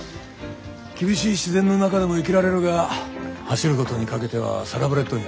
厳しい自然の中でも生きられるが走ることにかけてはサラブレッドにはかなわない。